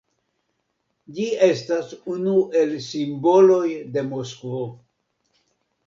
Ĝi estas unu el simboloj de Moskvo.